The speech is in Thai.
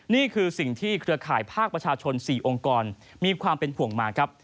นี่คือสิ่งที่เครือข่ายภาคประชาชน๔องค์กรมีความเป็นห่วงมาครับ